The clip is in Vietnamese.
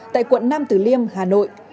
tại quận nam từ liêm hà nội